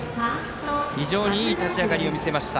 非常にいい立ち上がりを見せました。